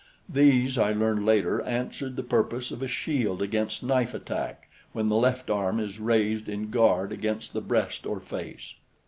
These, I learned later, answered the purpose of a shield against knife attack when the left arm is raised in guard across the breast or face.